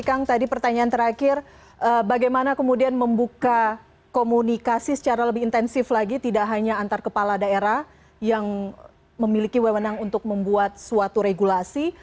kang tadi pertanyaan terakhir bagaimana kemudian membuka komunikasi secara lebih intensif lagi tidak hanya antar kepala daerah yang memiliki wewenang untuk membuat suatu regulasi